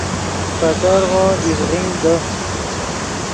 پے ترغو اِڤغین دے